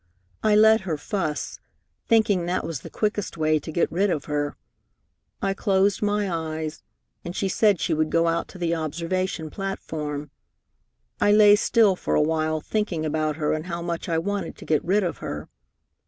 I let her fuss, thinking that was the quickest way to get rid of her. I closed my eyes, and she said she would go out to the observation platform. I lay still for awhile, thinking about her and how much I wanted to get rid of her.